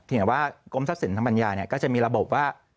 อย่างว่ากรมทรัพย์สินทางปัญญาเนี่ยก็จะมีระบบว่า